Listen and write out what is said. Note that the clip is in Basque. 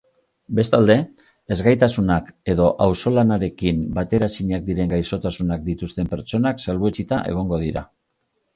Bestalde, ezgaitasunak edo auzolanarekin bateraezinak diren gaixotasunak dituzten pertsonak salbuetsita egongo dira.